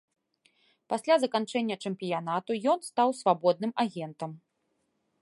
Пасля заканчэння чэмпіянату ён стаў свабодным агентам.